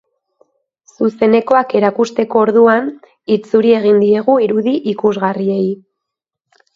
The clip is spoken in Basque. Zuzenekoak erakusteko orduan, itzuri egin diegu irudi ikusgarriei.